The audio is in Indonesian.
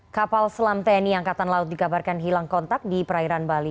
kapal selam tni angkatan laut dikabarkan hilang kontak di perairan bali